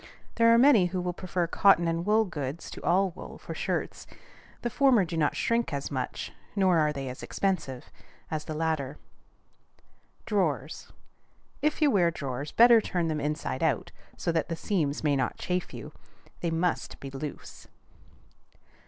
There are many who will prefer cotton and wool goods to all wool for shirts. The former do not shrink as much, nor are they as expensive, as the latter. DRAWERS. If you wear drawers, better turn them inside out, so that the seams may not chafe you. They must be loose.